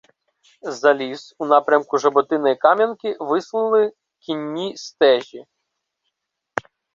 За ліс, у напрямку Жаботина і Кам’янки, вислали кінні стежі.